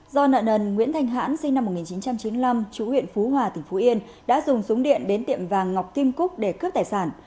do nợ nần nguyễn thanh hãn sinh năm một nghìn chín trăm chín mươi năm chú huyện phú hòa tỉnh phú yên đã dùng súng điện đến tiệm vàng ngọc kim cúc để cướp tài sản